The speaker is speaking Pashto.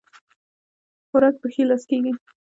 خوراک په ښي لاس کيږي